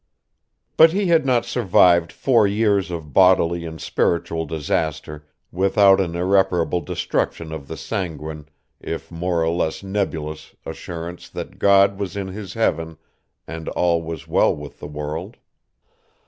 But he had not survived four years of bodily and spiritual disaster without an irreparable destruction of the sanguine, if more or less nebulous assurance that God was in his heaven and all was well with the world.